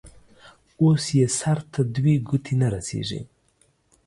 اوس يې سر ته دوې گوتي نه رسېږي.